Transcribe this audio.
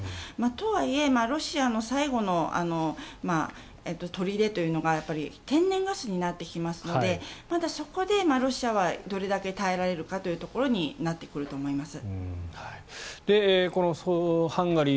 とはいえロシアの最後の砦というのが天然ガスになってきますのでまだそこでロシアはどれだけ耐えられるかというところになってくると思います。